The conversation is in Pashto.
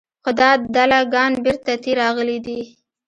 خو دا دله ګان بېرته تې راغلي دي.